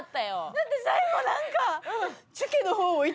だって最後なんか。